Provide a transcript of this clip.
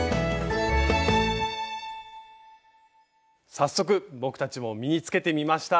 早速僕たちも身につけてみました。